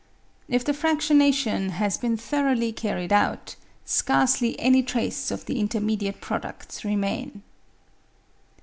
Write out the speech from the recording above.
If the fractionation has been thoroughly carried out, scarcely any trace of the intermediate products remain.